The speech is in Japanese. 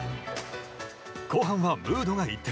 後半はムードが一転。